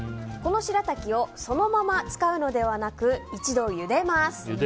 このしらたきをそのまま使うのではなく一度ゆでます。